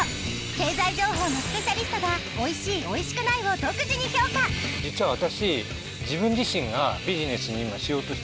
経済情報のスペシャリストがオイシいオイシくないを独自に評価実は私。